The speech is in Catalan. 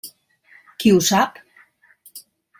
Qui ho sap?